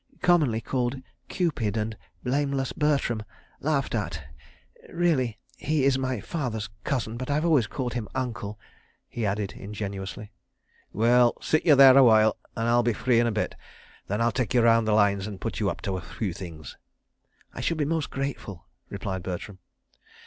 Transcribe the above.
Commonly called 'Cupid' and 'Blameless Bertram,' laughed at .... Really he is my father's cousin—but I've always called him 'Uncle,'" he added ingenuously. "Well—sit you there awhile and I'll be free in a bit. Then I'll take you round the Lines and put you up to a few things. ..." "I should be most grateful," replied Bertram.